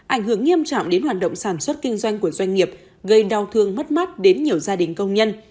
ảnh hưởng nghiêm trọng đến hoạt động sản xuất kinh doanh của doanh nghiệp gây đau thương mất mát đến nhiều gia đình công nhân